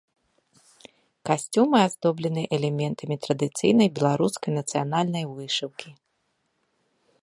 Касцюмы аздобленыя элементамі традыцыйнай беларускай нацыянальнай вышыўкі.